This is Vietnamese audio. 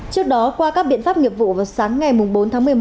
trước đó qua các biện pháp nghiệp vụ vào sáng ngày bốn tháng một mươi một